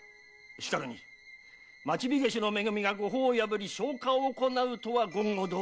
しかるに町火消しのめ組が御法を破り消火を行うとは言語道断。